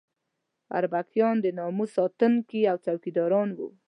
اربکیان د ناموس ساتونکي او څوکیداران وو.